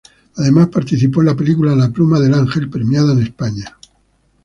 Además participó en la película "La pluma del ángel", premiada en España.